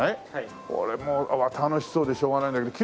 俺もう楽しそうでしょうがないんだけど。